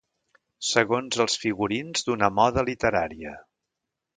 Segons els figurins d'una moda literària.